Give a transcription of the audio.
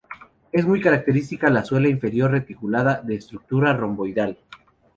Es muy característica la suela inferior reticulada de estructura romboidal.